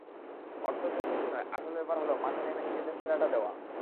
অর্থই সবকিছু নয়, আসল ব্যাপার হলো মাঠে নেমে নিজের সেরাটা দেওয়া।